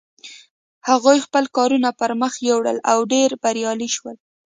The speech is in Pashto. هغوی خپل کارونه پر مخ یوړل او ډېر بریالي شول.